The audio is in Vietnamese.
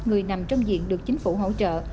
người nằm trong diện được chính phủ hỗ trợ